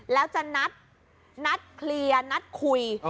แล้วจะนัดเคลียร์นัดคุย